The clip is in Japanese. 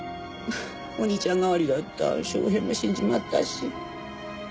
お兄ちゃん代わりだった昌平も死んじまったし。